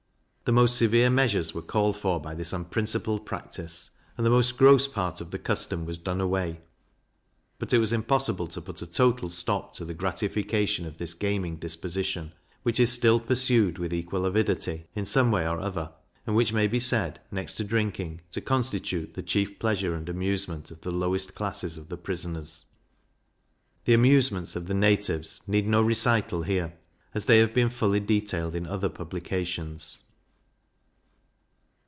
The most severe measures were called for by this unprincipled practice, and the most gross part of the custom was done away; but it was impossible to put a total stop to the gratification of this gaming disposition, which is still pursued with equal avidity in some way or other, and which may be said, next to drinking, to constitute the chief pleasure and amusement of the lowest classes of the prisoners. The amusements of the natives need no recital here, as they have been fully detailed in other publications.